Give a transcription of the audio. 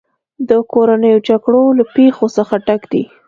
د کورنیو جګړو له پېښو څخه ډک دی.